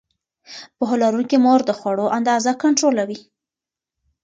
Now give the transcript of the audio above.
پوهه لرونکې مور د خوړو اندازه کنټرولوي.